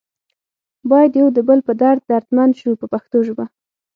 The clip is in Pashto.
باید یو د بل په درد دردمند شو په پښتو ژبه.